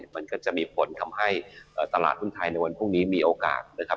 มันก็จะมีผลทำให้ตลาดหุ้นไทยในวันพรุ่งนี้มีโอกาสนะครับ